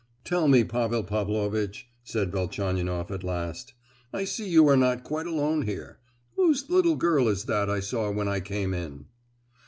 "Tell me, Pavel Pavlovitch," said Velchaninoff at last, "—I see you are not quite alone here,—whose little girl is that I saw when I came in?"